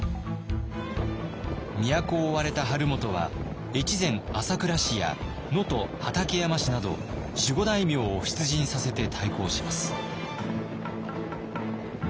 都を追われた晴元は越前朝倉氏や能登畠山氏など守護大名を出陣させて対抗します。